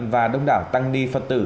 và đông đảo tăng ni phật tử